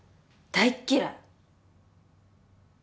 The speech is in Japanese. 大嫌い！